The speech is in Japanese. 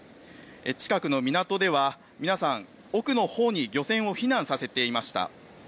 近くの港では皆さん奥のほうに漁船を避難させていました。